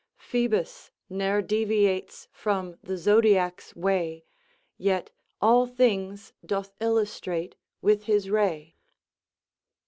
"Phoebus ne'er deviates from the zodiac's way; Yet all things doth illustrate with his ray."